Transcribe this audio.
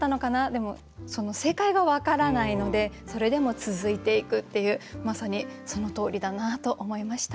でも正解が分からないのでそれでも続いていくっていうまさにそのとおりだなと思いました。